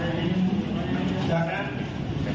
เดี๋ยวใครจะพูด